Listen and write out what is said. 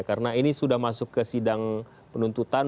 karena ini sudah masuk ke sidang penuntutan